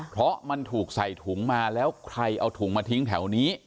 เพราะมันถูกใส่ถุงมาแล้วใครเอาถุงมาทิ้งแถวนี้